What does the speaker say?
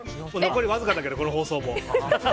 残りわずかだけど、放送も。